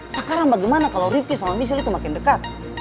sekarang bagaimana kalau rifki sama missel itu makin dekat